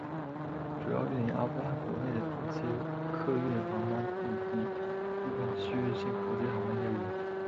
主要运营阿富汗国内的定期客运航班以及部分区域性国际航班业务。